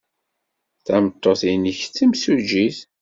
Tameṭṭut-nnek d timsujjit?